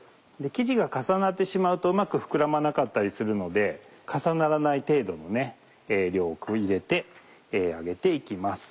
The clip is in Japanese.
生地が重なってしまうとうまく膨らまなかったりするので重ならない程度の量を入れて揚げて行きます。